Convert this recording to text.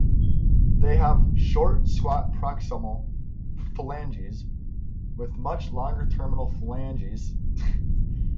They have short and squat proximal phalanges with much longer terminal phalanges.